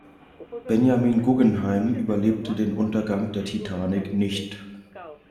Benjamin Guggenheim überlebte den Untergang der "Titanic" nicht.